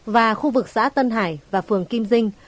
và khu vực xã tân hải và phường kim dinh